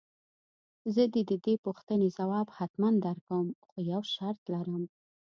زه دې د دې پوښتنې ځواب حتماً درکوم خو يو شرط لرم.